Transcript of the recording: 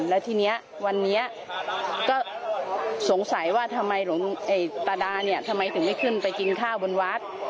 แล้ววันนี้เนี่ยก็สงสัยว่าทำไมตาดาถึงไม่ขึ้นไปกินข้าวบนวัด